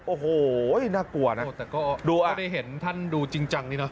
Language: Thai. โอ้โหน่ากลัวนะแต่ก็ดูเอาได้เห็นท่านดูจริงจังนี่เนอ